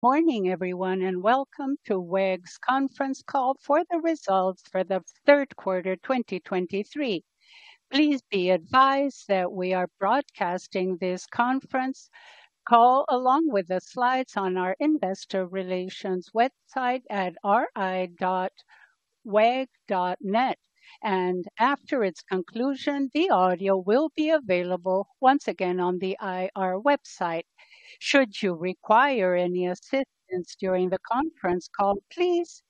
Good morning, everyone, and welcome to WEG's conference call for the results for the third quarter, 2023. Please be advised that we are broadcasting this conference call, along with the slides on our investor relations website at ri.weg.net. After its conclusion, the audio will be available once again on the IR website. Should you require any assistance during the conference call, please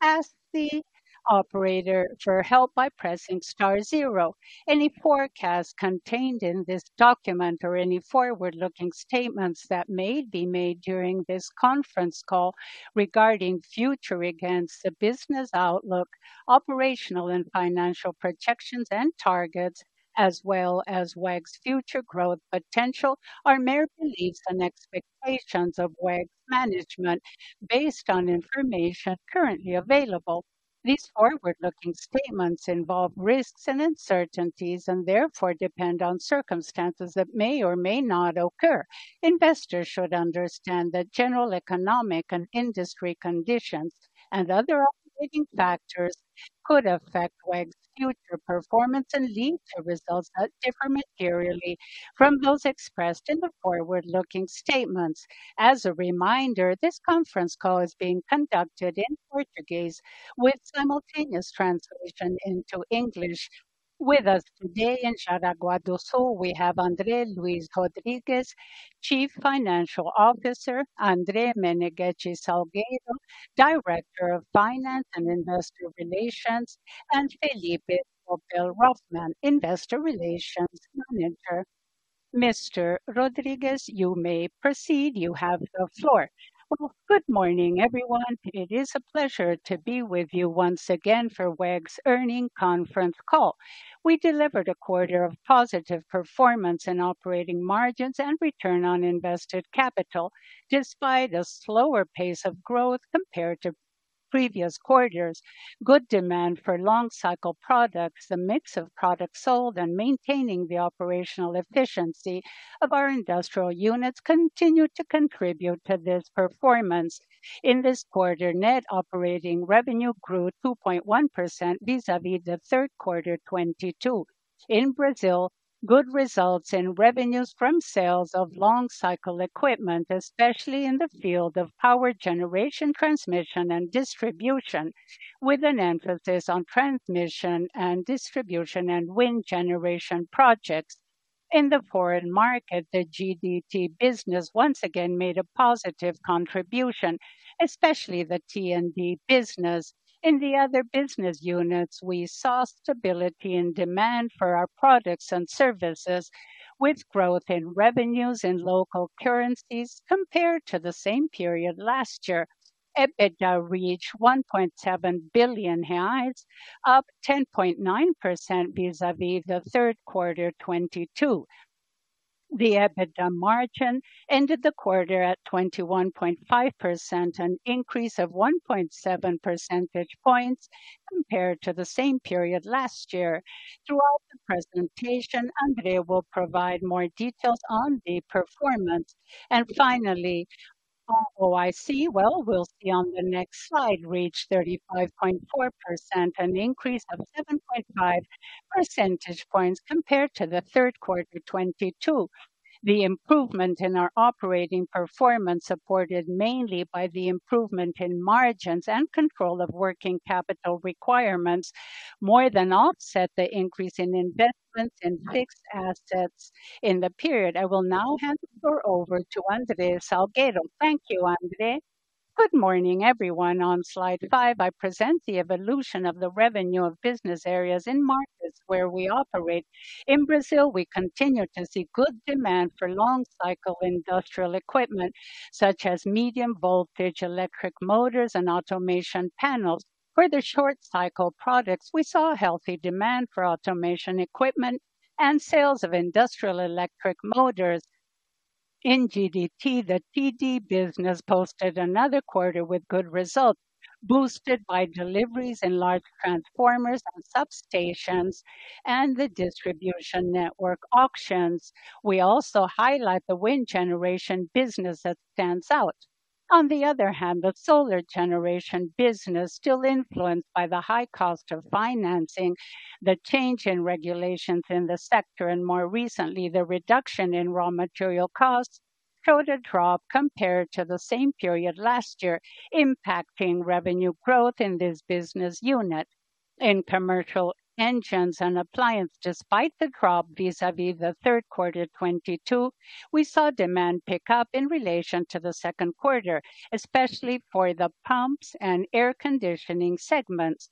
ask the operator for help by pressing star zero. Any forecast contained in this document or any forward-looking statements that may be made during this conference call regarding future against the business outlook, operational and financial projections and targets, as well as WEG's future growth potential, are mere beliefs and expectations of WEG's management based on information currently available. These forward-looking statements involve risks and uncertainties and therefore depend on circumstances that may or may not occur. Investors should understand that general economic and industry conditions and other operating factors could affect WEG's future performance and lead to results that differ materially from those expressed in the forward-looking statements. As a reminder, this conference call is being conducted in Portuguese with simultaneous translation into English. With us today in Jaraguá do Sul, we have André Luís Rodrigues, Chief Financial Officer, André Menegueti Salgueiro, Director of Finance and Investor Relations, and Felipe Scopel Hoffmann, Investor Relations Manager. Mr. Rodrigues, you may proceed. You have the floor. Well, good morning, everyone. It is a pleasure to be with you once again for WEG's earnings conference call. We delivered a quarter of positive performance in operating margins and return on invested capital, despite a slower pace of growth compared to previous quarters. Good demand for long-cycle products, the mix of products sold and maintaining the operational efficiency of our industrial units continue to contribute to this performance. In this quarter, net operating revenue grew 2.1% vis-à-vis the third quarter 2022. In Brazil, good results in revenues from sales of long-cycle equipment, especially in the field of power generation, transmission, and distribution, with an emphasis on transmission and distribution and wind generation projects. In the foreign market, the GTD business once again made a positive contribution, especially the T&D business. In the other business units, we saw stability and demand for our products and services, with growth in revenues in local currencies compared to the same period last year. EBITDA reached 1.7 billion reais, up 10.9% vis-à-vis the third quarter 2022. The EBITDA margin ended the quarter at 21.5%, an increase of 1.7 percentage points compared to the same period last year. Throughout the presentation, André will provide more details on the performance. And finally, ROIC, well, we'll see on the next slide, reached 35.4%, an increase of 7.5 percentage points compared to the third quarter 2022. The improvement in our operating performance, supported mainly by the improvement in margins and control of working capital requirements, more than offset the increase in investments in fixed assets in the period. I will now hand the floor over to André Salgueiro. Thank you, André. Good morning, everyone. On Slide 5, I present the evolution of the revenue of business areas in markets where we operate. In Brazil, we continue to see good demand for long-cycle industrial equipment, such as medium voltage electric motors and automation panels. For the short-cycle products, we saw healthy demand for automation equipment and sales of industrial electric motors. In GTD, the T&D business posted another quarter with good results, boosted by deliveries in large transformers and substations and the distribution network auctions. We also highlight the wind generation business that stands out. On the other hand, the solar generation business, still influenced by the high cost of financing, the change in regulations in the sector, and more recently, the reduction in raw material costs, showed a drop compared to the same period last year, impacting revenue growth in this business unit. In Commercial Motors and Appliance, despite the drop vis-à-vis the third quarter 2022, we saw demand pick up in relation to the second quarter, especially for the pumps and air conditioning segments.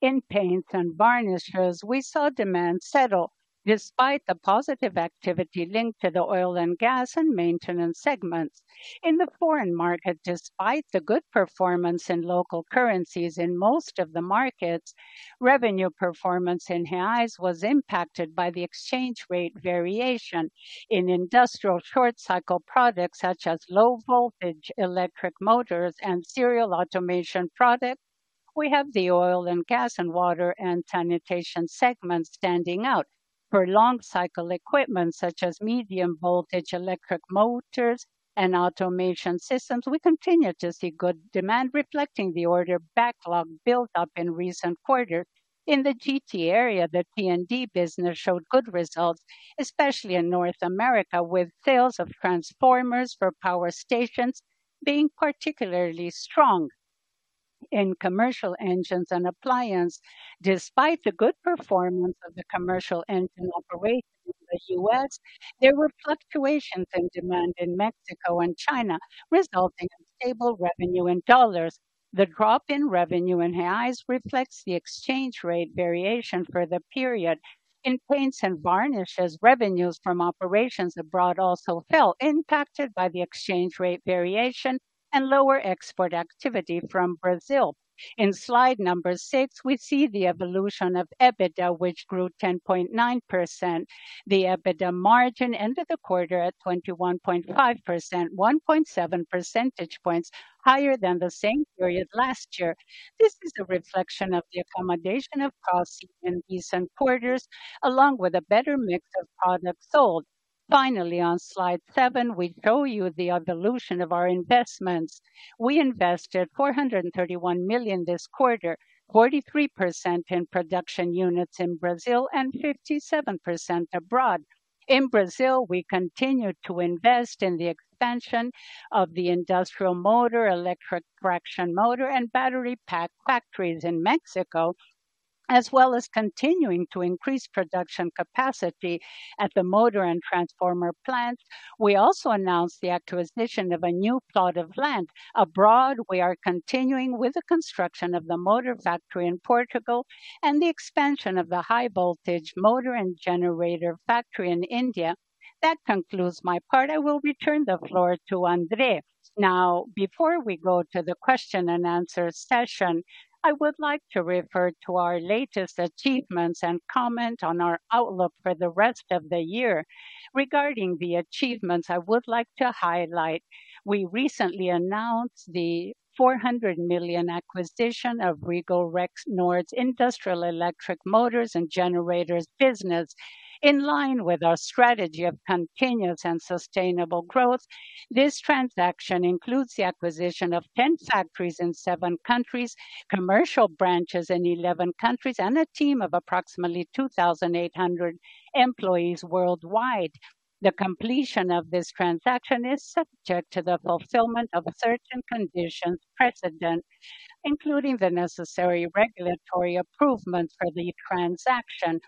In paints and varnishes, we saw demand settle despite the positive activity linked to the oil and gas and maintenance segments. In the foreign market, despite the good performance in local currencies in most of the markets, revenue performance in reais was impacted by the exchange rate variation. In industrial short-cycle products, such as low-voltage electric motors and serial automation products. We have the oil and gas and water and sanitation segments standing out. For long cycle equipment, such as medium voltage, electric motors, and automation systems, we continue to see good demand, reflecting the order backlog built up in recent quarters. In the GTD area, the T&D business showed good results, especially in North America, with sales of transformers for power stations being particularly strong. In commercial engines and appliances, despite the good performance of the commercial engine operation in the U.S., there were fluctuations in demand in Mexico and China, resulting in stable revenue in dollars. The drop in revenue in reais reflects the exchange rate variation for the period. In paints and varnishes, revenues from operations abroad also fell, impacted by the exchange rate variation and lower export activity from Brazil. In Slide number 6, we see the evolution of EBITDA, which grew 10.9%. The EBITDA margin ended the quarter at 21.5%, 1.7 percentage points higher than the same period last year. This is a reflection of the accommodation of costs in recent quarters, along with a better mix of products sold. Finally, on Slide 7, we show you the evolution of our investments. We invested 431 million this quarter, 43% in production units in Brazil and 57% abroad. In Brazil, we continued to invest in the expansion of the industrial motor, electric traction motor, and battery pack factories in Mexico, as well as continuing to increase production capacity at the motor and transformer plants. We also announced the acquisition of a new plot of land. Abroad, we are continuing with the construction of the motor factory in Portugal and the expansion of the high voltage motor and generator factory in India. That concludes my part. I will return the floor to André. Now, before we go to the question and answer session, I would like to refer to our latest achievements and comment on our outlook for the rest of the year. Regarding the achievements I would like to highlight, we recently announced the $400 million acquisition of Regal Rexnord's Industrial Electric Motors and Generators business. In line with our strategy of continuous and sustainable growth, this transaction includes the acquisition of 10 factories in seven countries, commercial branches in 11 countries, and a team of approximately 2,800 employees worldwide. The completion of this transaction is subject to the fulfillment of certain conditions precedent, including the necessary regulatory approval for the transaction.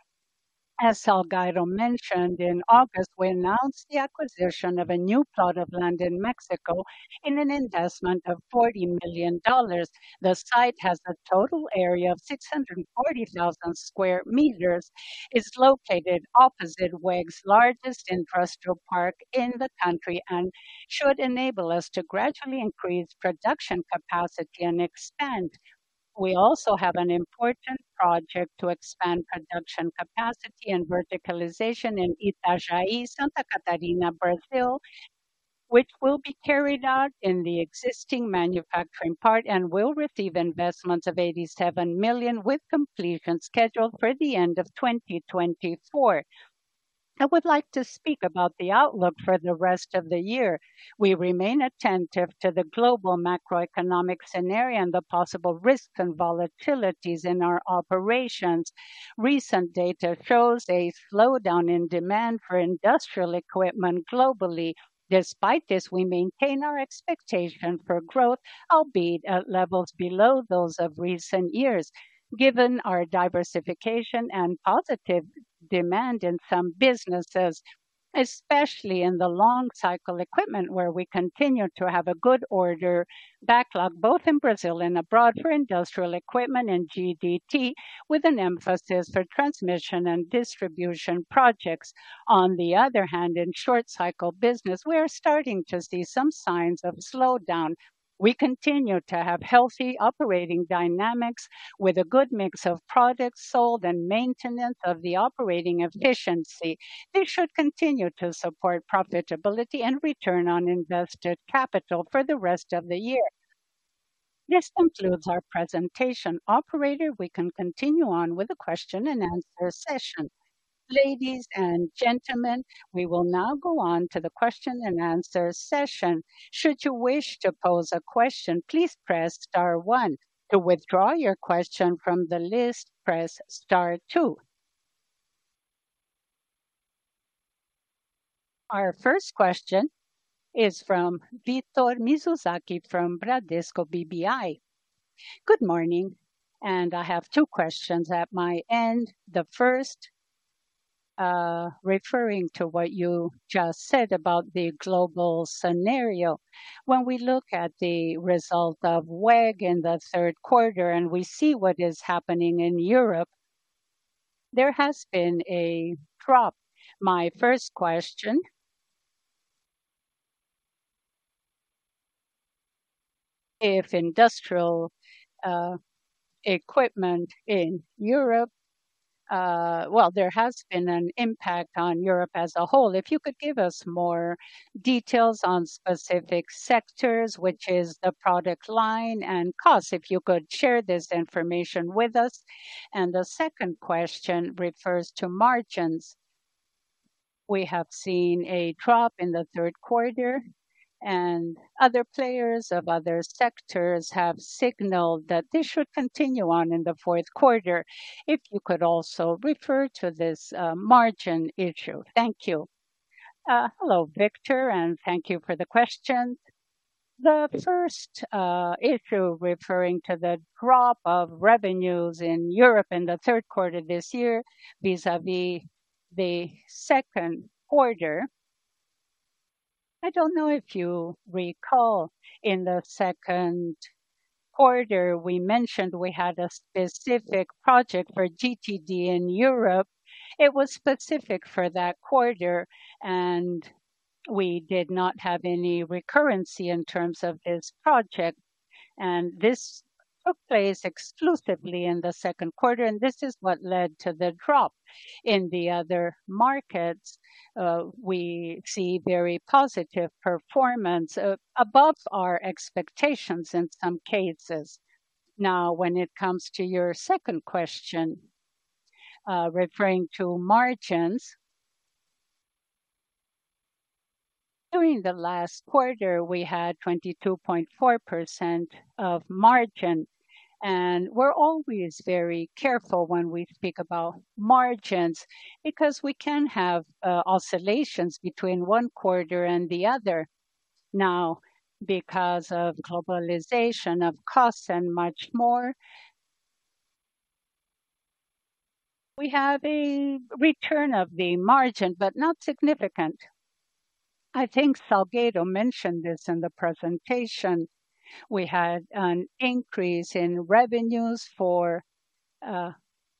As Salgueiro mentioned, in August, we announced the acquisition of a new plot of land in Mexico in an investment of $40 million. The site has a total area of 640,000 sq m, is located opposite WEG's largest industrial park in the country, and should enable us to gradually increase production capacity and expand. We also have an important project to expand production capacity and verticalization in Itajaí, Santa Catarina, Brazil, which will be carried out in the existing manufacturing part and will receive investments of 87 million, with completion scheduled for the end of 2024. I would like to speak about the outlook for the rest of the year. We remain attentive to the global macroeconomic scenario and the possible risks and volatilities in our operations. Recent data shows a slowdown in demand for industrial equipment globally. Despite this, we maintain our expectation for growth, albeit at levels below those of recent years, given our diversification and positive demand in some businesses, especially in the long-cycle equipment, where we continue to have a good order backlog, both in Brazil and abroad, for industrial equipment and GTD, with an emphasis for transmission and distribution projects. On the other hand, in short-cycle business, we are starting to see some signs of slowdown. We continue to have healthy operating dynamics with a good mix of products sold and maintenance of the operating efficiency. This should continue to support profitability and return on invested capital for the rest of the year. This concludes our presentation. Operator, we can continue on with the question and answer session. Ladies and gentlemen, we will now go on to the question and answer session. Should you wish to pose a question, please press star one. To withdraw your question from the list, press star two. Our first question is from Victor Mizusaki, from Bradesco BBI. Good morning, and I have two questions at my end. The first, referring to what you just said about the global scenario. When we look at the result of WEG in the third quarter, and we see what is happening in Europe, there has been a drop. My first question, if industrial equipment in Europe, well, there has been an impact on Europe as a whole. If you could give us more details on specific sectors, which is the product line and costs, if you could share this information with us. And the second question refers to margins. We have seen a drop in the third quarter, and other players of other sectors have signaled that this should continue on in the fourth quarter. If you could also refer to this, margin issue. Thank you. Hello, Victor, and thank you for the question. The first issue referring to the drop of revenues in Europe in the third quarter this year vis-à-vis the second quarter. I don't know if you recall, in the second quarter, we mentioned we had a specific project for GTD in Europe. It was specific for that quarter, and we did not have any recurrency in terms of this project, and this took place exclusively in the second quarter, and this is what led to the drop. In the other markets, we see very positive performance, above our expectations in some cases. Now, when it comes to your second question, referring to margins, during the last quarter, we had 22.4% margin, and we're always very careful when we speak about margins because we can have oscillations between one quarter and the other. Now, because of globalization, of costs and much more, we have a return of the margin, but not significant. I think Salgueiro mentioned this in the presentation. We had an increase in revenues for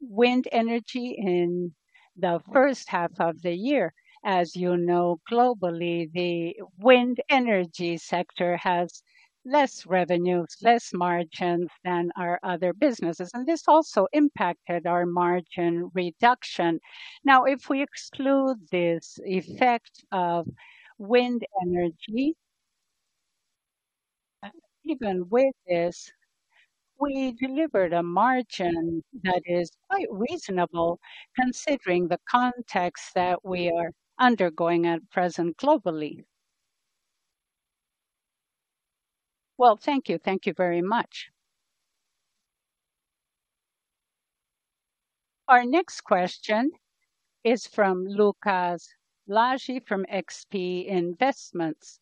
wind energy in the first half of the year. As you know, globally, the wind energy sector has less revenues, less margins than our other businesses, and this also impacted our margin reduction. Now, if we exclude this effect of wind energy, even with this, we delivered a margin that is quite reasonable considering the context that we are undergoing at present globally. Well, thank you. Thank you very much. Our next question is from Lucas Laghi from XP Investments.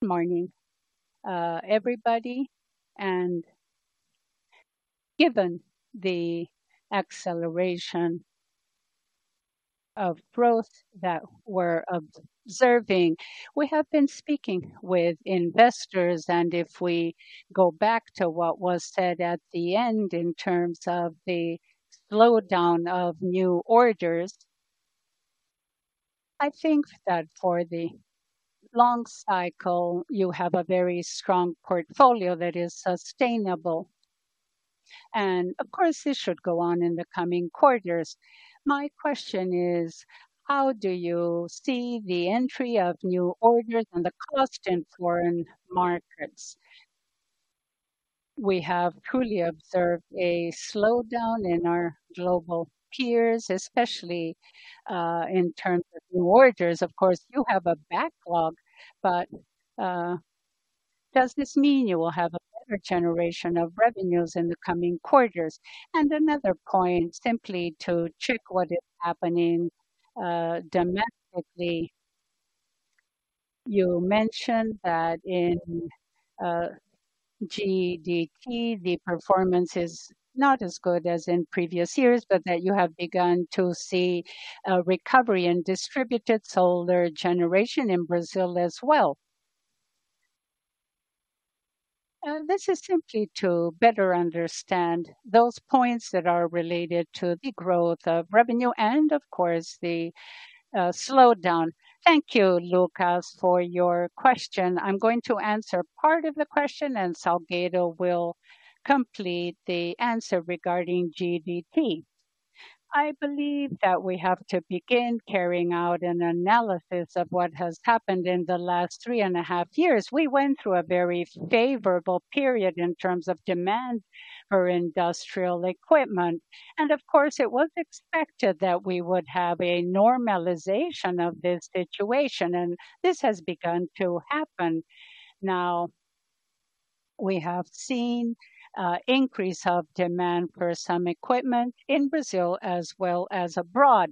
Good morning, everybody, and given the acceleration of growth that we're observing, we have been speaking with investors, and if we go back to what was said at the end in terms of the slowdown of new orders, I think that for the long cycle, you have a very strong portfolio that is sustainable. And of course, this should go on in the coming quarters. My question is: How do you see the entry of new orders and the cost in foreign markets? We have truly observed a slowdown in our global peers, especially, in terms of new orders. Of course, you have a backlog, but, does this mean you will have a better generation of revenues in the coming quarters? And another point, simply to check what is happening, domestically. You mentioned that in GTD, the performance is not as good as in previous years, but that you have begun to see a recovery in distributed solar generation in Brazil as well. This is simply to better understand those points that are related to the growth of revenue and, of course, the slowdown. Thank you, Lucas, for your question. I'm going to answer part of the question, and Salgueiro will complete the answer regarding GTD. I believe that we have to begin carrying out an analysis of what has happened in the last three and a half years. We went through a very favorable period in terms of demand for industrial equipment, and of course, it was expected that we would have a normalization of this situation, and this has begun to happen. Now, we have seen increase of demand for some equipment in Brazil as well as abroad.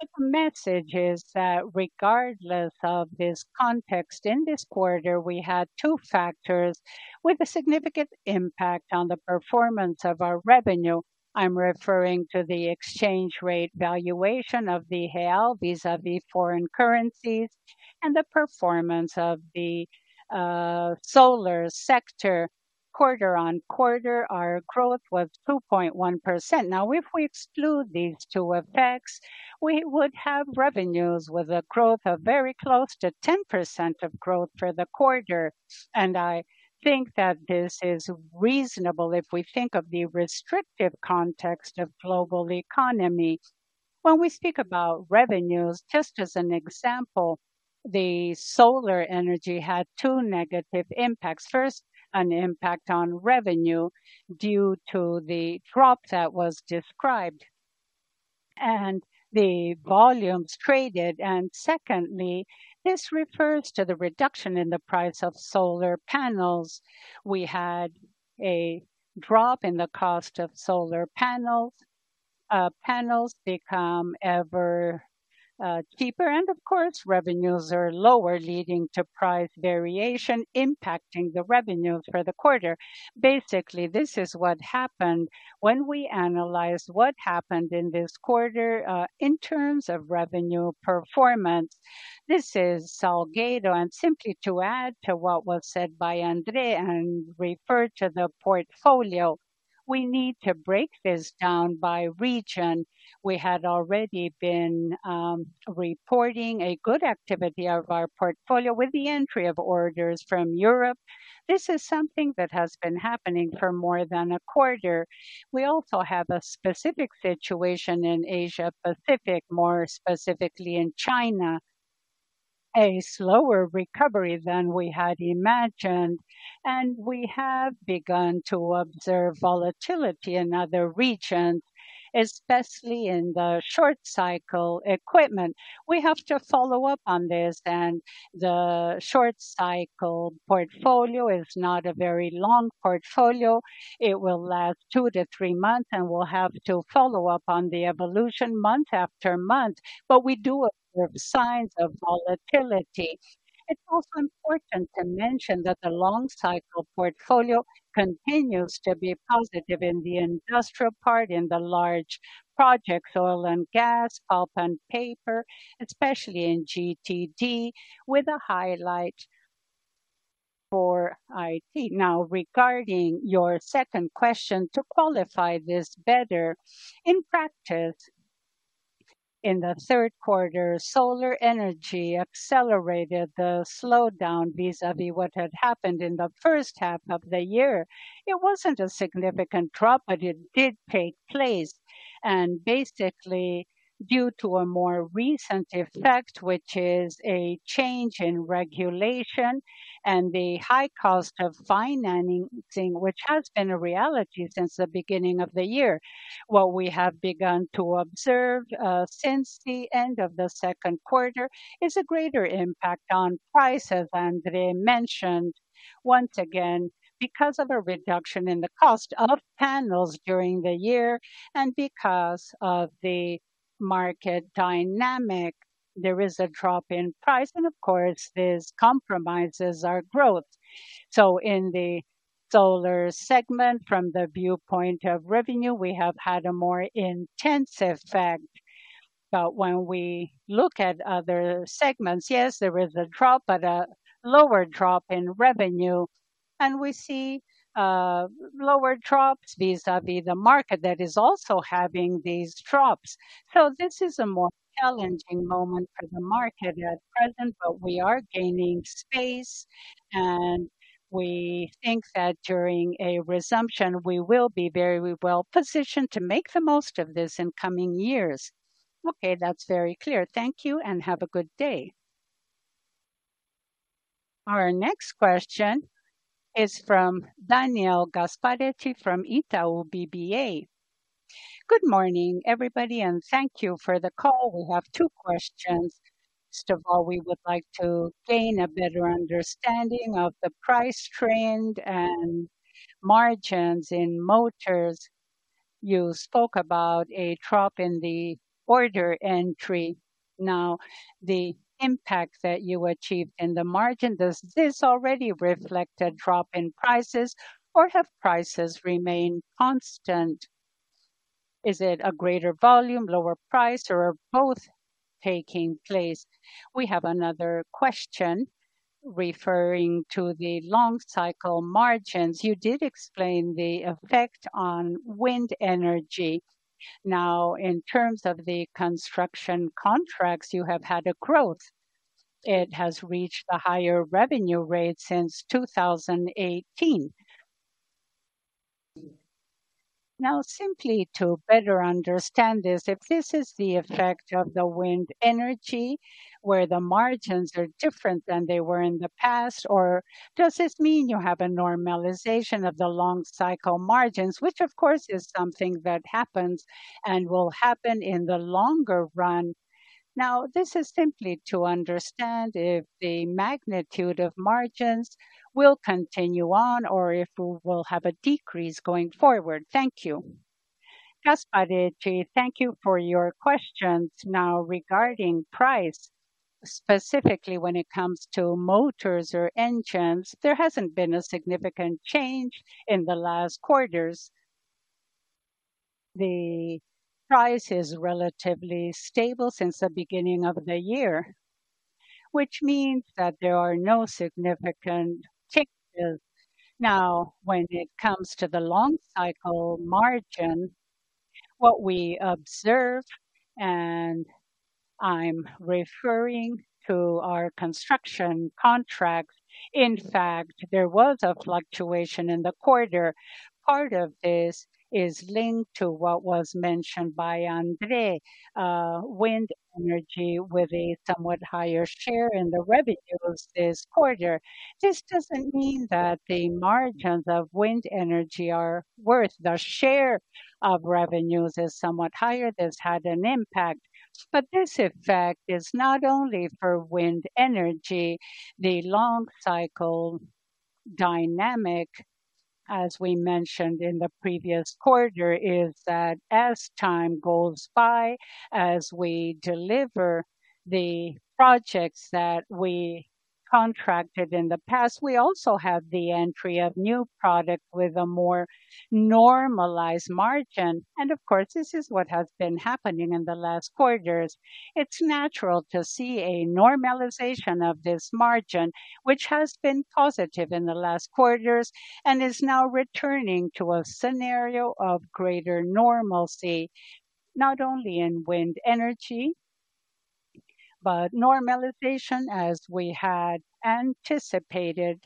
The message is that regardless of this context, in this quarter, we had two factors with a significant impact on the performance of our revenue. I'm referring to the exchange rate valuation of the real vis-à-vis foreign currencies and the performance of the solar sector. Quarter-on-quarter, our growth was 2.1%. Now, if we exclude these two effects, we would have revenues with a growth of very close to 10% of growth for the quarter. And I think that this is reasonable if we think of the restrictive context of global economy. When we speak about revenues, just as an example, the solar energy had two negative impacts. First, an impact on revenue due to the drop that was described and the volumes traded, and secondly, this refers to the reduction in the price of solar panels. We had a drop in the cost of solar panels. Panels become ever cheaper, and of course, revenues are lower, leading to price variation, impacting the revenue for the quarter. Basically, this is what happened when we analyzed what happened in this quarter in terms of revenue performance. This is Salgueiro, and simply to add to what was said by André and refer to the portfolio, we need to break this down by region. We had already been reporting a good activity of our portfolio with the entry of orders from Europe. This is something that has been happening for more than a quarter. We also have a specific situation in Asia Pacific, more specifically in China, a slower recovery than we had imagined, and we have begun to observe volatility in other regions, especially in the short cycle equipment. We have to follow up on this, and the short cycle portfolio is not a very long portfolio. It will last 2-3 months, and we'll have to follow up on the evolution month after month, but we do observe signs of volatility. It's also important to mention that the long cycle portfolio continues to be positive in the industrial part, in the large project, oil and gas, pulp and paper, especially in GTD, with a highlight for IT. Now, regarding your second question, to qualify this better, in practice, in the third quarter, solar energy accelerated the slowdown vis-à-vis what had happened in the first half of the year. It wasn't a significant drop, but it did take place, and basically due to a more recent effect, which is a change in regulation and the high cost of financing, which has been a reality since the beginning of the year. What we have begun to observe since the end of the second quarter is a greater impact on prices, as André mentioned, once again, because of a reduction in the cost of panels during the year and because of the market dynamic, there is a drop in price, and of course, this compromises our growth. So in the solar segment, from the viewpoint of revenue, we have had a more intense effect. But when we look at other segments, yes, there is a drop, but a lower drop in revenue, and we see lower drops vis-à-vis the market that is also having these drops. So this is a more challenging moment for the market at present, but we are gaining space, and we think that during a resumption, we will be very well positioned to make the most of this in coming years. Okay, that's very clear. Thank you and have a good day. Our next question is from Daniel Gasparete from Itaú BBA. Good morning, everybody, and thank you for the call. We have two questions. First of all, we would like to gain a better understanding of the price trend and margins in motors. You spoke about a drop in the order entry. Now, the impact that you achieved in the margin, does this already reflect a drop in prices, or have prices remained constant? Is it a greater volume, lower price, or are both taking place? We have another question referring to the long cycle margins. You did explain the effect on wind energy. Now, in terms of the construction contracts, you have had a growth. It has reached a higher revenue rate since 2018. Now, simply to better understand this, if this is the effect of the wind energy, where the margins are different than they were in the past, or does this mean you have a normalization of the long-cycle margins, which, of course, is something that happens and will happen in the longer run? Now, this is simply to understand if the magnitude of margins will continue on or if we will have a decrease going forward. Thank you. Gasparete, thank you for your questions. Now, regarding price, specifically when it comes to motors or engines, there hasn't been a significant change in the last quarters. The price is relatively stable since the beginning of the year, which means that there are no significant ticks. Now, when it comes to the long-cycle margin, what we observe and I'm referring to our construction contracts. In fact, there was a fluctuation in the quarter. Part of this is linked to what was mentioned by André, wind energy, with a somewhat higher share in the revenues this quarter. This doesn't mean that the margins of wind energy are worth. The share of revenues is somewhat higher. This had an impact, but this effect is not only for wind energy. The long-cycle dynamic, as we mentioned in the previous quarter, is that as time goes by, as we deliver the projects that we contracted in the past, we also have the entry of new products with a more normalized margin. Of course, this is what has been happening in the last quarters. It's natural to see a normalization of this margin, which has been positive in the last quarters and is now returning to a scenario of greater normalcy, not only in wind energy, but normalization, as we had anticipated,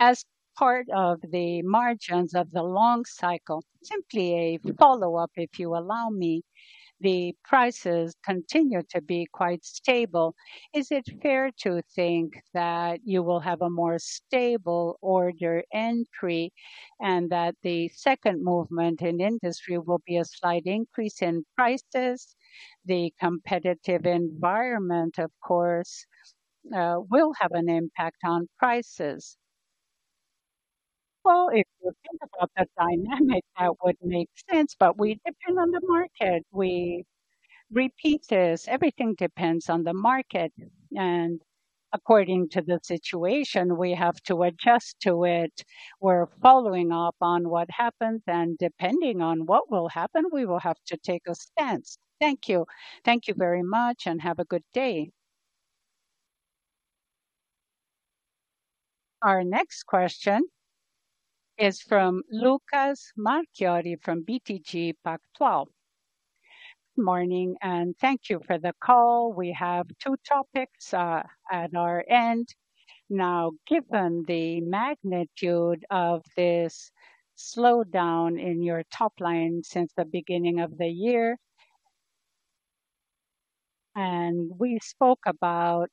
as part of the margins of the long cycle. Simply a follow-up, if you allow me. The prices continue to be quite stable. Is it fair to think that you will have a more stable order entry, and that the second movement in industry will be a slight increase in prices? The competitive environment, of course, will have an impact on prices. Well, if you think about the dynamic, that would make sense, but we depend on the market. We repeat this, everything depends on the market, and according to the situation, we have to adjust to it. We're following up on what happens, and depending on what will happen, we will have to take a stance. Thank you. Thank you very much, and have a good day. Our next question is from Lucas Marquiori, from BTG Pactual. Morning, and thank you for the call. We have two topics at our end. Now, given the magnitude of this slowdown in your top line since the beginning of the year, and we spoke about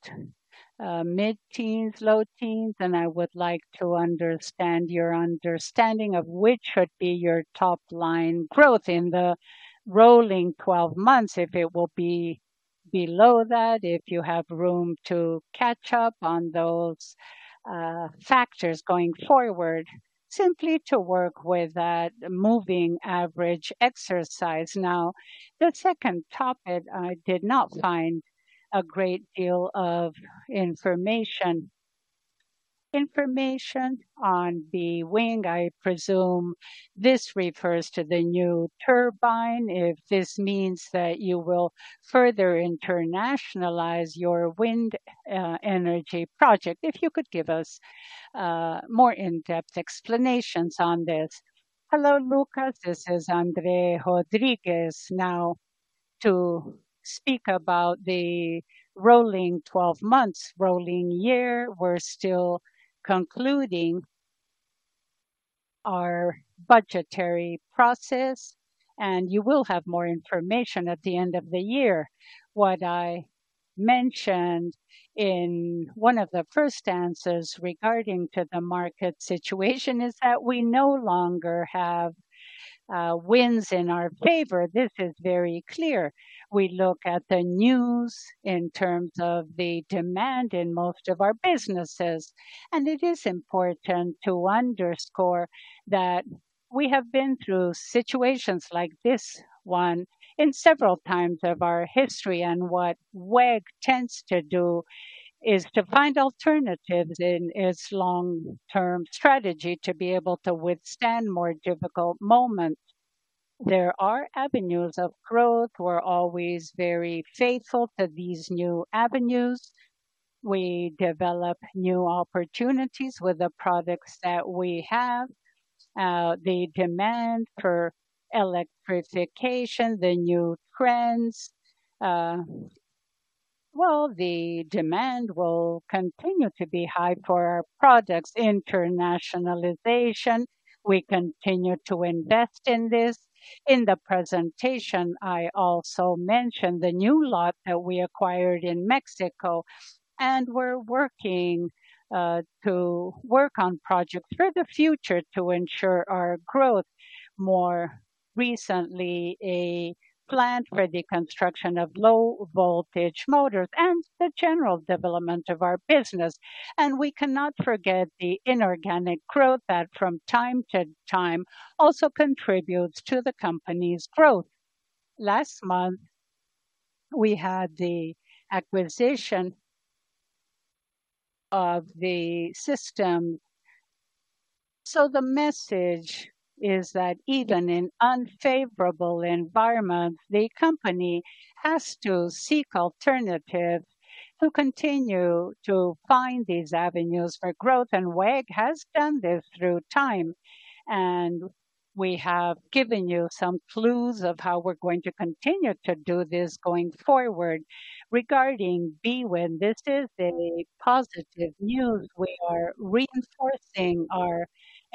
mid-teens, low teens, and I would like to understand your understanding of which should be your top-line growth in the rolling twelve months, if it will be below that, if you have room to catch up on those factors going forward, simply to work with that moving average exercise. Now, the second topic, I did not find a great deal of information. Information on the WEG, I presume this refers to the new turbine, if this means that you will further internationalize your wind energy project. If you could give us more in-depth explanations on this. Hello, Lucas, this is André Rodrigues. Now, to speak about the rolling twelve months, rolling year, we're still concluding our budgetary process, and you will have more information at the end of the year. What I mentioned in one of the first answers regarding to the market situation is that we no longer have winds in our favor. This is very clear. We look at the news in terms of the demand in most of our businesses, and it is important to underscore that we have been through situations like this one in several times of our history, and what WEG tends to do is to find alternatives in its long-term strategy to be able to withstand more difficult moments. There are avenues of growth. We're always very faithful to these new avenues. We develop new opportunities with the products that we have, the demand for electrification, the new trends. Well, the demand will continue to be high for our products. Internationalization, we continue to invest in this. In the presentation, I also mentioned the new lot that we acquired in Mexico, and we're working to work on projects for the future to ensure our growth. More recently, a plant for the construction of low-voltage motors and the general development of our business. We cannot forget the inorganic growth that from time to time also contributes to the company's growth. Last month, we had the acquisition of the system-... The message is that even in unfavorable environment, the company has to seek alternative to continue to find these avenues for growth, and WEG has done this through time. We have given you some clues of how we're going to continue to do this going forward. Regarding Bewind, this is a positive news. We are reinforcing our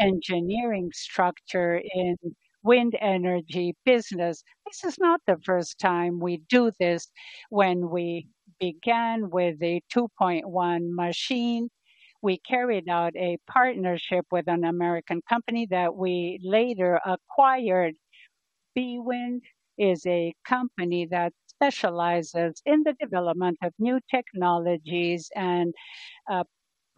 engineering structure in wind energy business. This is not the first time we do this. When we began with the 2.1 machine, we carried out a partnership with an American company that we later acquired. Bewind is a company that specializes in the development of new technologies and,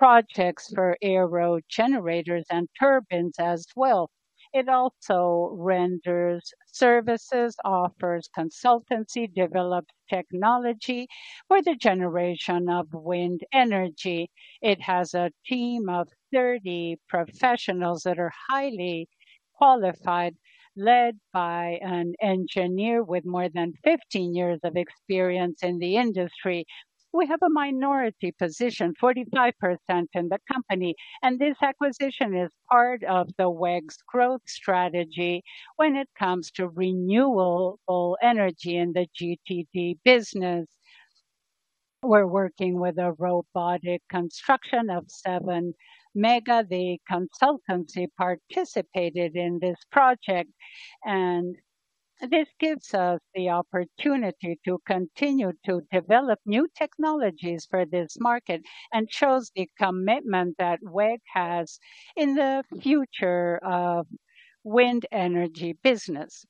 projects for aero generators and turbines as well. It also renders services, offers consultancy, developed technology for the generation of wind energy. It has a team of 30 professionals that are highly qualified, led by an engineer with more than 15 years of experience in the industry. We have a minority position, 45% in the company, and this acquisition is part of the WEG's growth strategy when it comes to renewable energy in the GTD business. We're working with a prototype construction of 7 mega. The consultancy participated in this project, and this gives us the opportunity to continue to develop new technologies for this market and shows the commitment that WEG has in the future of wind energy business.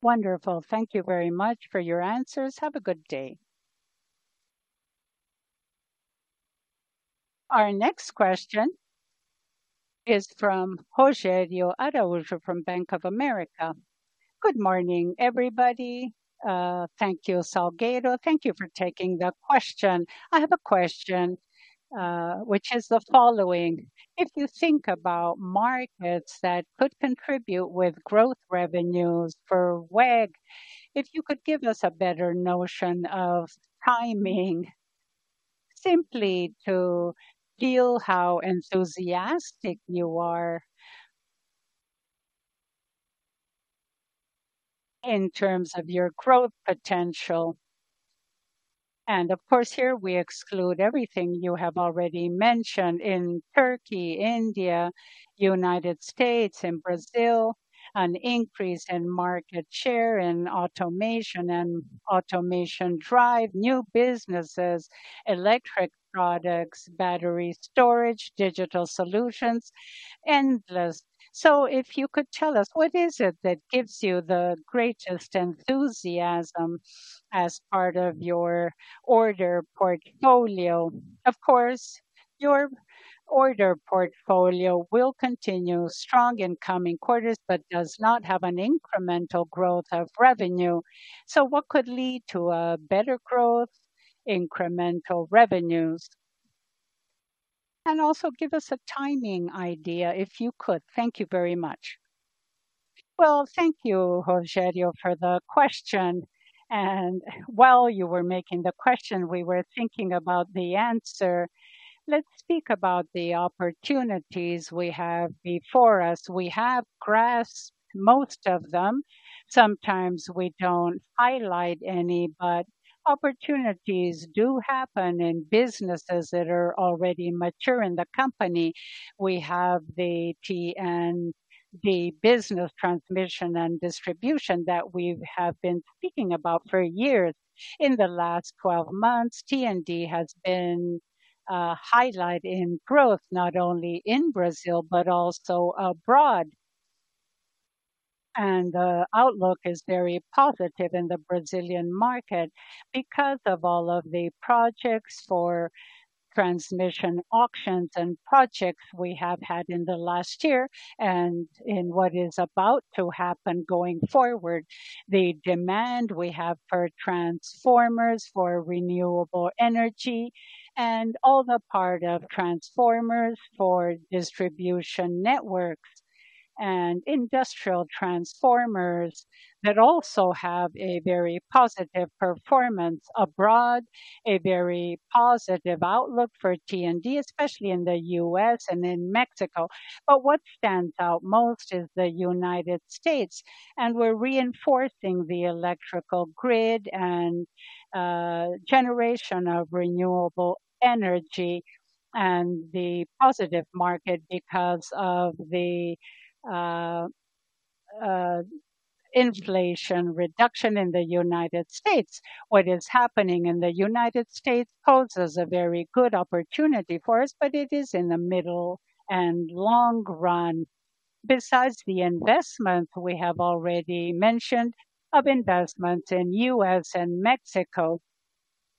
Wonderful. Thank you very much for your answers. Have a good day. Our next question is from Rogério Araújo from Bank of America. Good morning, everybody. Thank you, Salgueiro. Thank you for taking the question. I have a question, which is the following: If you think about markets that could contribute with growth revenues for WEG, if you could give us a better notion of timing, simply to feel how enthusiastic you are in terms of your growth potential. Of course, here we exclude everything you have already mentioned in Turkey, India, United States, and Brazil, an increase in market share in automation and automation drive, new businesses, electric products, battery storage, digital solutions, endless. If you could tell us, what is it that gives you the greatest enthusiasm as part of your order portfolio? Of course, your order portfolio will continue strong in coming quarters, but does not have an incremental growth of revenue. So what could lead to a better growth, incremental revenues? And also give us a timing idea, if you could. Thank you very much. Well, thank you, Rogério, for the question, and while you were making the question, we were thinking about the answer. Let's speak about the opportunities we have before us. We have grasped most of them. Sometimes we don't highlight any, but opportunities do happen in businesses that are already mature in the company. We have the T&D business, transmission and distribution, that we have been speaking about for years. In the last 12 months, T&D has been highlighted in growth, not only in Brazil, but also abroad. And the outlook is very positive in the Brazilian market because of all of the projects for transmission auctions and projects we have had in the last year, and in what is about to happen going forward. The demand we have for transformers, for renewable energy, and all the part of transformers for distribution networks and industrial transformers that also have a very positive performance abroad, a very positive outlook for T&D, especially in the U.S. and in Mexico. But what stands out most is the United States, and we're reinforcing the electrical grid and, generation of renewable energy and the positive market because of the, Inflation Reduction Act in the United States. What is happening in the United States poses a very good opportunity for us, but it is in the middle and long run. Besides the investment, we have already mentioned of investments in U.S. and Mexico....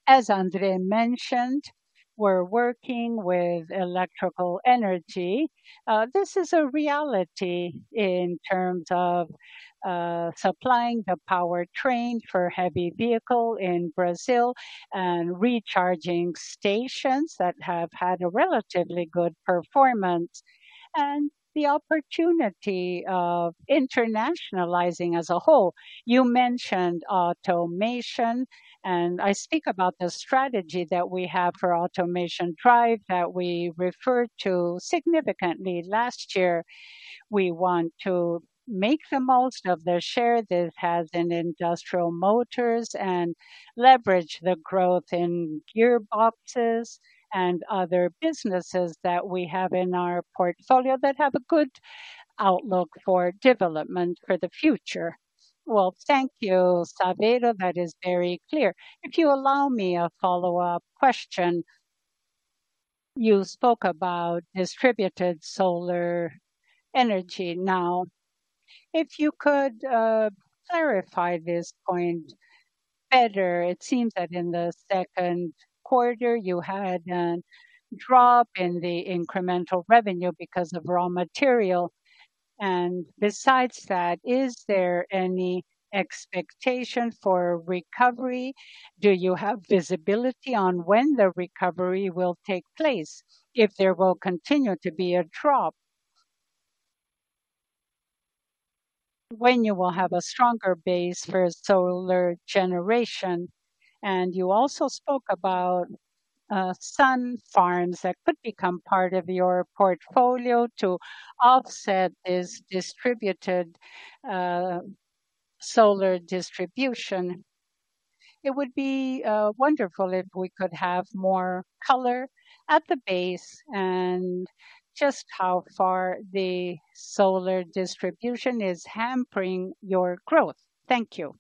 As André mentioned, we're working with electrical energy. This is a reality in terms of supplying the powertrain for heavy vehicle in Brazil and recharging stations that have had a relatively good performance, and the opportunity of internationalizing as a whole. You mentioned automation, and I speak about the strategy that we have for automation drive that we referred to significantly last year. We want to make the most of the share that it has in industrial motors and leverage the growth in gearboxes and other businesses that we have in our portfolio that have a good outlook for development for the future. Well, thank you, Salgueiro. That is very clear. If you allow me a follow-up question. You spoke about distributed solar energy. Now, if you could clarify this point better, it seems that in the second quarter, you had a drop in the incremental revenue because of raw material. And besides that, is there any expectation for recovery? Do you have visibility on when the recovery will take place, if there will continue to be a drop? When you will have a stronger base for solar generation. And you also spoke about solar farms that could become part of your portfolio to offset this distributed solar distribution. It would be wonderful if we could have more color at the base and just how far the solar distribution is hampering your growth. Thank you.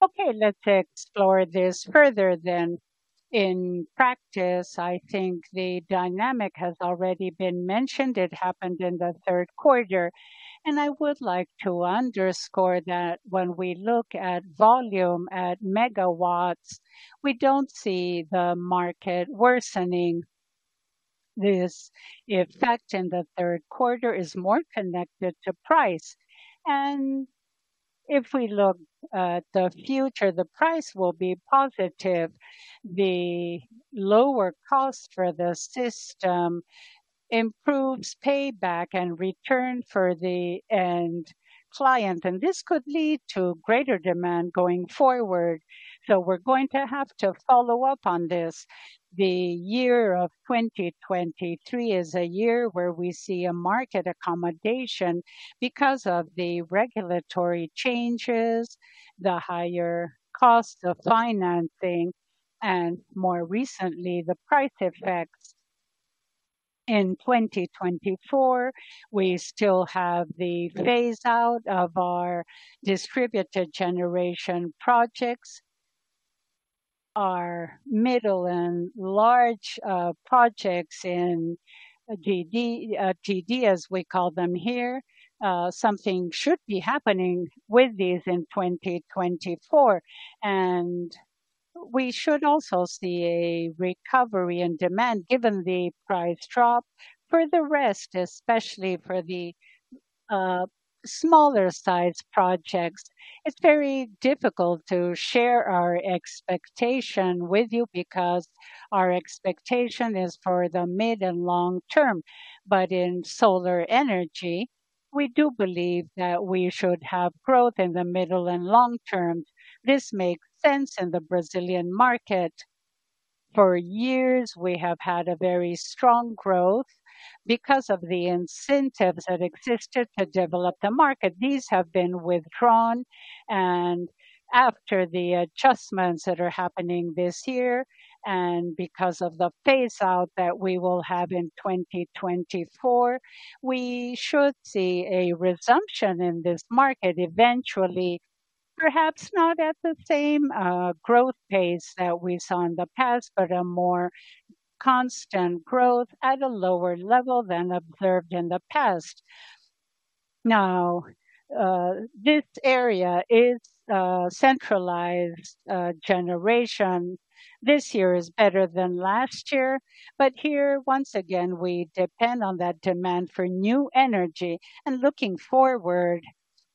Okay, let's explore this further then. In practice, I think the dynamic has already been mentioned. It happened in the third quarter, and I would like to underscore that when we look at volume, at megawatts, we don't see the market worsening. This effect in the third quarter is more connected to price, and if we look at the future, the price will be positive. The lower cost for the system improves payback and return for the end client, and this could lead to greater demand going forward. So we're going to have to follow up on this. The year of 2023 is a year where we see a market accommodation because of the regulatory changes, the higher cost of financing, and more recently, the price effects. In 2024, we still have the phase out of our distributed generation projects. Our middle and large projects in GTD, as we call them here, something should be happening with these in 2024, and we should also see a recovery in demand, given the price drop. For the rest, especially for the smaller size projects, it's very difficult to share our expectation with you because our expectation is for the mid and long term. But in solar energy, we do believe that we should have growth in the middle and long term. This makes sense in the Brazilian market. For years, we have had a very strong growth because of the incentives that existed to develop the market. These have been withdrawn, and after the adjustments that are happening this year, and because of the phase out that we will have in 2024, we should see a resumption in this market eventually. Perhaps not at the same growth pace that we saw in the past, but a more constant growth at a lower level than observed in the past. Now, this area is centralized generation. This year is better than last year, but here, once again, we depend on that demand for new energy. And looking forward,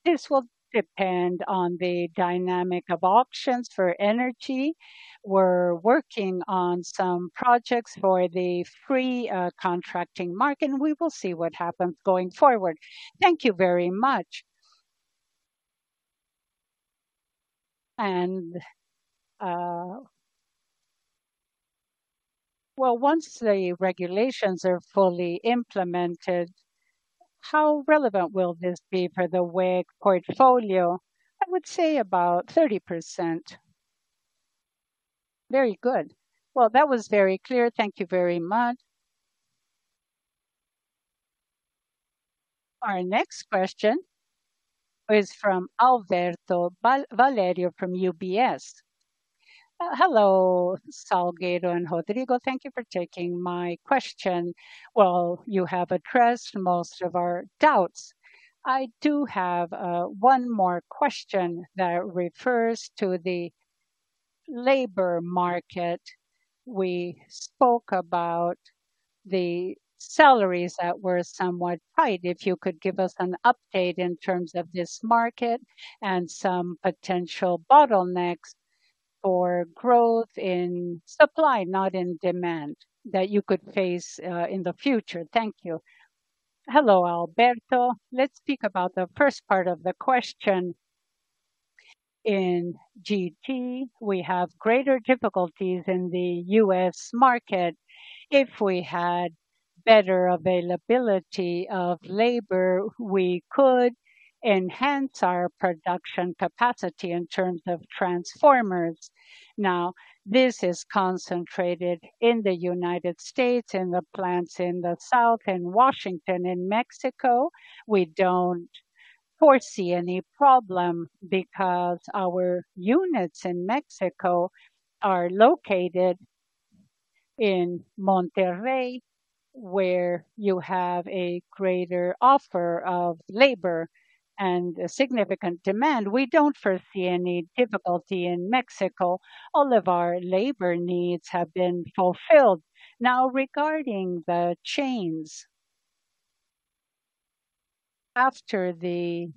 this will depend on the dynamic of options for energy. We're working on some projects for the free contracting market, and we will see what happens going forward. Thank you very much. Well, once the regulations are fully implemented, how relevant will this be for the WEG portfolio? I would say about 30%. Very good. Well, that was very clear. Thank you very much. Our next question is from Alberto Valerio from UBS. Hello, Salgueiro and Rodrigo. Thank you for taking my question. Well, you have addressed most of our doubts. I do have one more question that refers to the labor market; we spoke about the salaries that were somewhat tight. If you could give us an update in terms of this market and some potential bottlenecks for growth in supply, not in demand, that you could face, in the future. Thank you. Hello, Alberto. Let's speak about the first part of the question. In GT, we have greater difficulties in the U.S. market. If we had better availability of labor, we could enhance our production capacity in terms of transformers. Now, this is concentrated in the United States, in the plants in the South and Washington. In Mexico, we don't foresee any problem because our units in Mexico are located in Monterrey, where you have a greater offer of labor and a significant demand. We don't foresee any difficulty in Mexico. All of our labor needs have been fulfilled. Now, regarding the chains, after the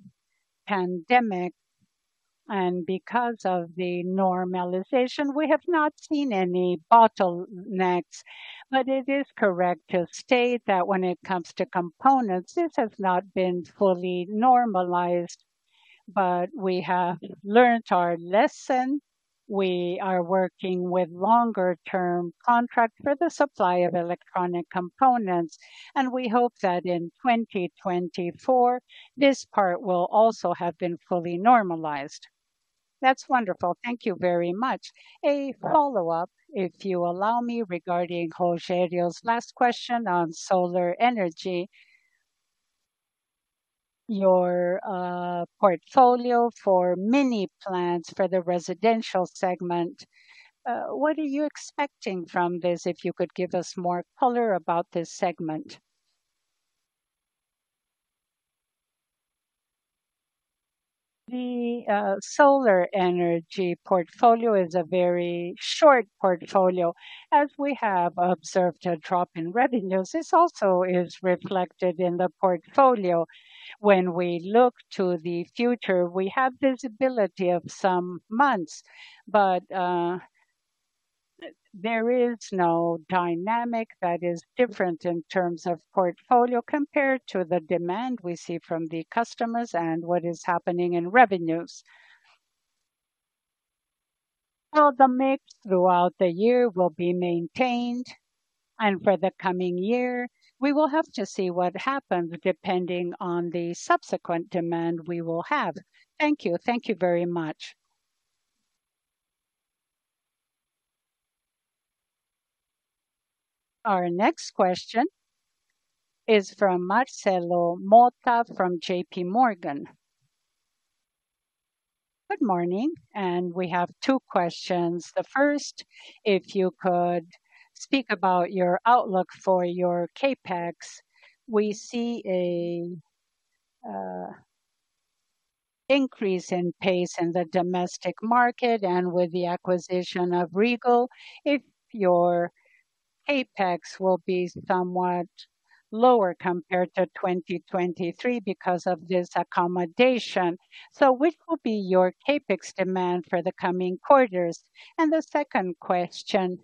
pandemic and because of the normalization, we have not seen any bottlenecks. But it is correct to state that when it comes to components, this has not been fully normalized, but we have learned our lesson. We are working with longer term contract for the supply of electronic components, and we hope that in 2024, this part will also have been fully normalized. That's wonderful. Thank you very much. A follow-up, if you allow me, regarding Rogério's last question on solar energy. Your portfolio for mini plants for the residential segment, what are you expecting from this? If you could give us more color about this segment. The solar energy portfolio is a very short portfolio, as we have observed a drop in revenues. This also is reflected in the portfolio. When we look to the future, we have visibility of some months, but there is no dynamic that is different in terms of portfolio compared to the demand we see from the customers and what is happening in revenues. Well, the mix throughout the year will be maintained, and for the coming year, we will have to see what happens depending on the subsequent demand we will have. Thank you. Thank you very much. Our next question is from Marcelo Motta, from J.P. Morgan. Good morning, and we have two questions. The first, if you could speak about your outlook for your CapEx. We see a increase in pace in the domestic market and with the acquisition of Regal, if your CapEx will be somewhat lower compared to 2023 because of this accommodation. So what will be your CapEx demand for the coming quarters? The second question: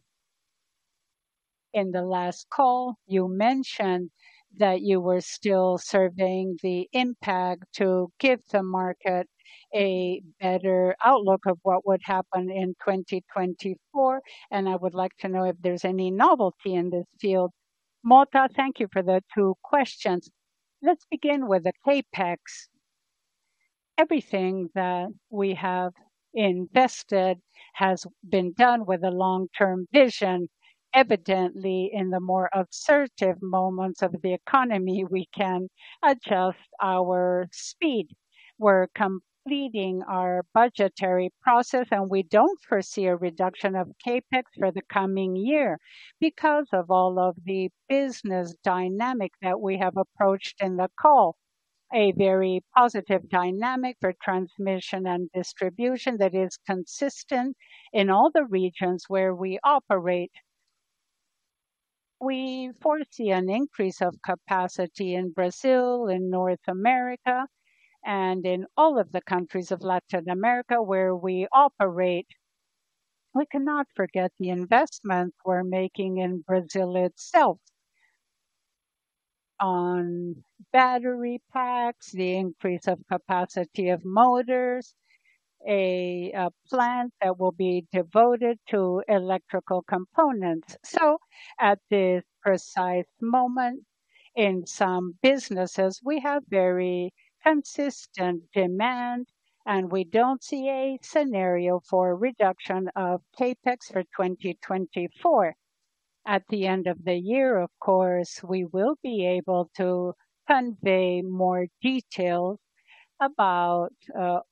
in the last call, you mentioned that you were still surveying the impact to give the market a better outlook of what would happen in 2024, and I would like to know if there's any novelty in this field. Motta, thank you for the two questions. Let's begin with the CapEx. Everything that we have invested has been done with a long-term vision. Evidently, in the more assertive moments of the economy, we can adjust our speed. We're completing our budgetary process, and we don't foresee a reduction of CapEx for the coming year because of all of the business dynamic that we have approached in the call. A very positive dynamic for transmission and distribution that is consistent in all the regions where we operate. We foresee an increase of capacity in Brazil, in North America, and in all of the countries of Latin America where we operate. We cannot forget the investment we're making in Brazil itself on battery packs, the increase of capacity of motors, a plant that will be devoted to electrical components. So at this precise moment, in some businesses, we have very consistent demand, and we don't see a scenario for reduction of CapEx for 2024. At the end of the year, of course, we will be able to convey more details about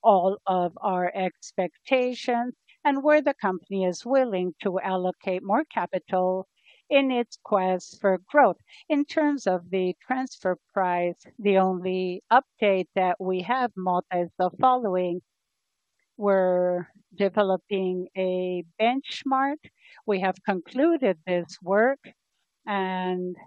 all of our expectations and where the company is willing to allocate more capital in its quest for growth. In terms of the transfer price, the only update that we have, Motta, is the following: we're developing a benchmark. We have concluded this work, and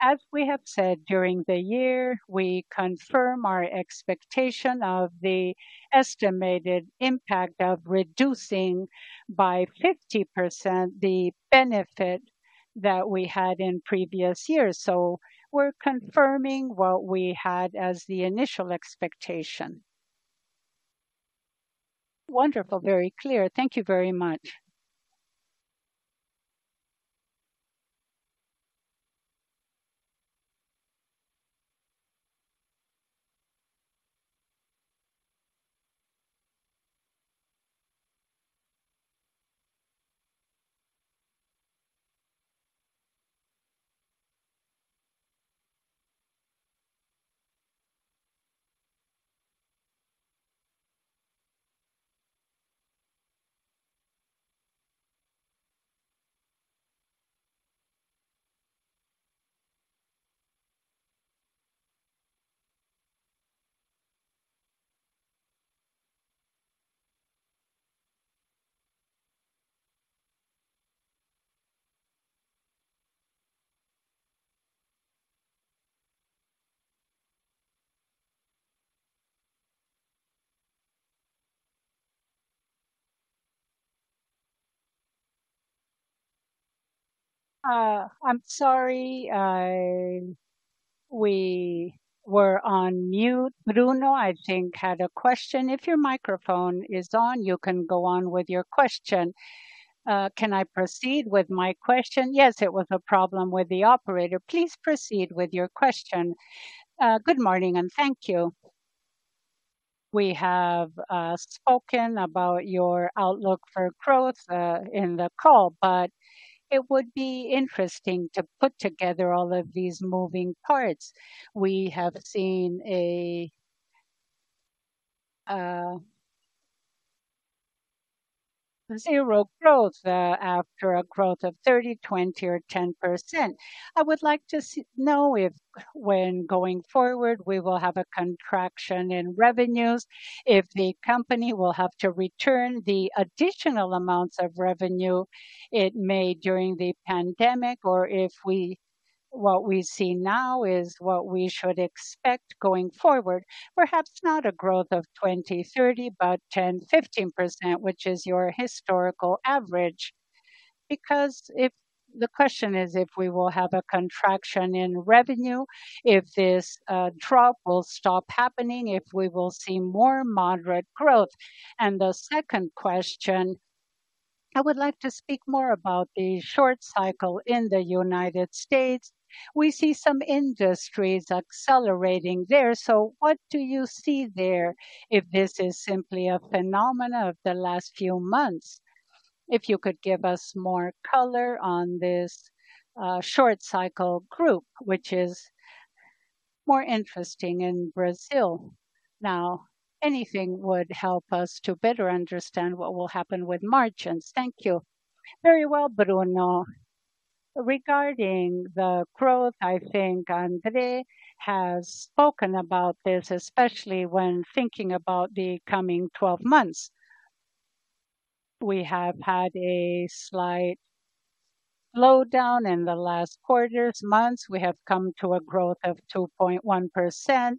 as we have said during the year, we confirm our expectation of the estimated impact of reducing by 50% the benefit that we had in previous years. So we're confirming what we had as the initial expectation. Wonderful, very clear. Thank you very much. I'm sorry, we were on mute. Bruno, I think, had a question. If your microphone is on, you can go on with your question. Can I proceed with my question? Yes, it was a problem with the Operator. Please proceed with your question. Good morning, and thank you. We have spoken about your outlook for growth in the call, but it would be interesting to put together all of these moving parts. We have seen a 0% growth after a growth of 30, 20, or 10%. I would like to know if when going forward, we will have a contraction in revenues, if the company will have to return the additional amounts of revenue it made during the pandemic, or if what we see now is what we should expect going forward. Perhaps not a growth of 20, 30, but 10, 15%, which is your historical average. Because if the question is, if we will have a contraction in revenue, if this drop will stop happening, if we will see more moderate growth. And the second question, I would like to speak more about the short cycle in the United States. We see some industries accelerating there, so what do you see there, if this is simply a phenomenon of the last few months? If you could give us more color on this short cycle group, which is more interesting in Brazil. Now, anything would help us to better understand what will happen with margins. Thank you. Very well, Bruno. Regarding the growth, I think André has spoken about this, especially when thinking about the coming twelve months. We have had a slight slowdown in the last quarters, months. We have come to a growth of 2.1%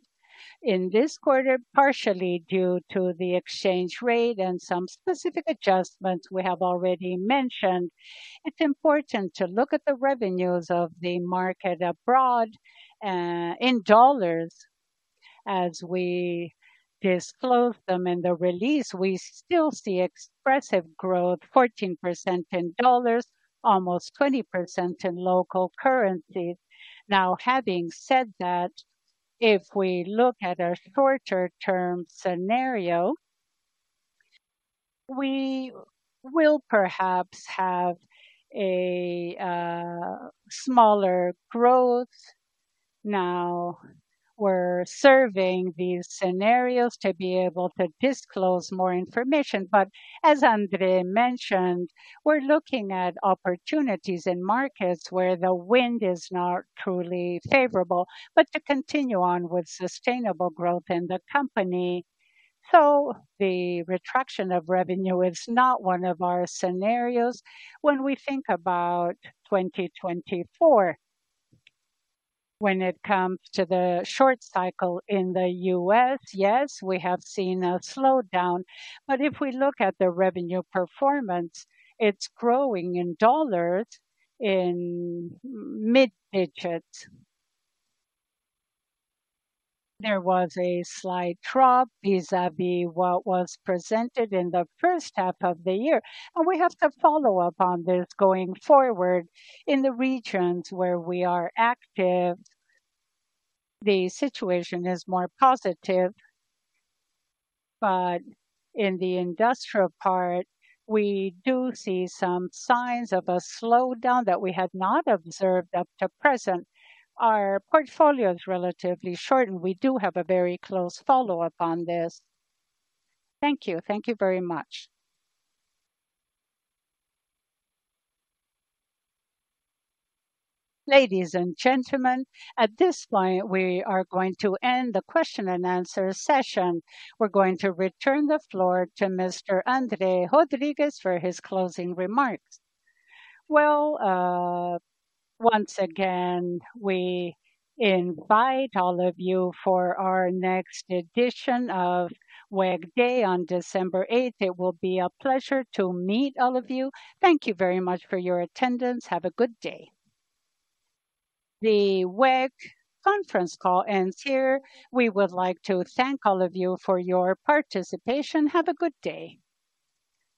in this quarter, partially due to the exchange rate and some specific adjustments we have already mentioned. It's important to look at the revenues of the market abroad in dollars. As we disclose them in the release, we still see expressive growth, 14% in dollars, almost 20% in local currencies. Now, having said that, if we look at a shorter-term scenario, we will perhaps have a smaller growth. Now, we're surveying these scenarios to be able to disclose more information, but as André mentioned, we're looking at opportunities in markets where the wind is not truly favorable, but to continue on with sustainable growth in the company. So the retraction of revenue is not one of our scenarios when we think about 2024. When it comes to the short cycle in the U.S., yes, we have seen a slowdown, but if we look at the revenue performance, it's growing in dollars in mid-digits. There was a slight drop vis-à-vis what was presented in the first half of the year, and we have to follow up on this going forward. In the regions where we are active, the situation is more positive, but in the industrial part, we do see some signs of a slowdown that we had not observed up to present. Our portfolio is relatively short, and we do have a very close follow-up on this. Thank you. Thank you very much. Ladies and gentlemen, at this point, we are going to end the question and answer session. We're going to return the floor to Mr. André Rodrigues for his closing remarks. Well, once again, we invite all of you for our next edition of WEG Day on December eighth. It will be a pleasure to meet all of you. Thank you very much for your attendance. Have a good day. The WEG conference call ends here. We would like to thank all of you for your participation. Have a good day.